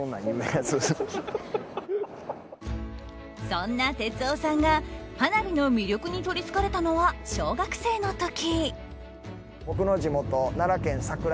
そんな哲夫さんが花火の魅力にとりつかれたのは小学生の時。